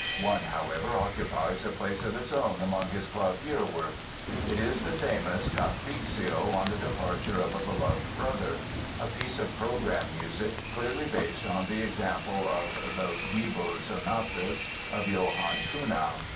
One, however, occupies a place of its own among his clavier works. It is the famous Capriccio on the Departure of a Beloved Brother, a piece of program music clearly based on the example of the Bible Sonatas of Johann Kuhnau.